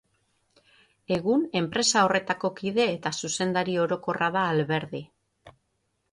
Egun enpresa horretako kide eta zuzendari orokorra da Alberdi.